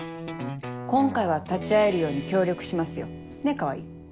今回は立ち会えるように協力しますよねっ川合。